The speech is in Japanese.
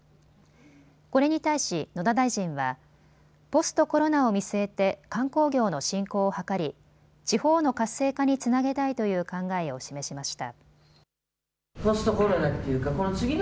これに対し野田大臣はポストコロナを見据えて観光業の振興を図り地方の活性化につなげたいという考えを示しました。